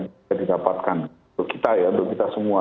bisa didapatkan untuk kita ya untuk kita semua